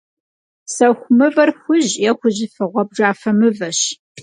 Sexu mıver xuj yê xujıfe - ğuabjjafe mıveş.